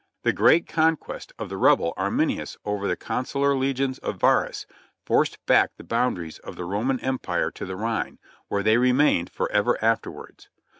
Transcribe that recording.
The great conquest of the Rebel Arminius over the consular legions of Varrus forced back the boundaries of the Roman Empire to the Rhine, where they remained forever after wards.